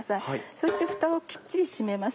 そしてフタをきっちり閉めます。